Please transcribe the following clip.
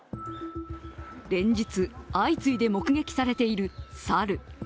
連日、相次いで目撃されている猿。